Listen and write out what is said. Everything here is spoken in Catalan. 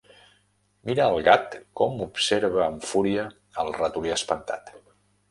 Mira el gat com observa amb fúria el ratolí espantat.